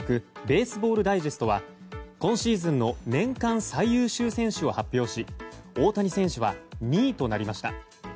「ベースボール・ダイジェスト」は今シーズンの年間最優秀選手を発表し大谷選手は２位となりました。